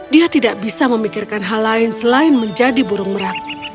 dia tidak bisa memikirkan hal lain selain menjadi burung merak